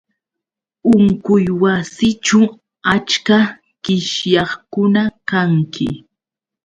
Unquywasićhu achka qishyaqkuna kanki